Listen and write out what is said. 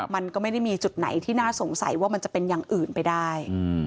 มันก็ไม่ได้มีจุดไหนที่น่าสงสัยว่ามันจะเป็นอย่างอื่นไปได้